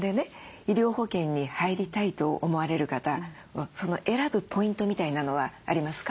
医療保険に入りたいと思われる方選ぶポイントみたいなのはありますか？